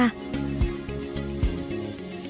lịch sử trung quốc